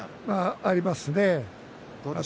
ありますね。